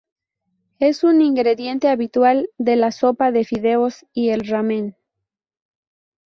Es un ingrediente habitual de la sopa de fideos y el "ramen".